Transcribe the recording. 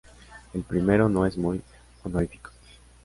El primero no es muy honorífico.